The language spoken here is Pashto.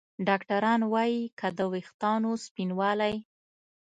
ډاکتران وايي که د ویښتانو سپینوالی